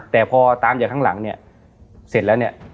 แต่พอตามจากข้างหลังเนี่ยเสร็จแล้วเนี่ย